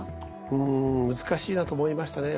うん難しいなと思いましたね。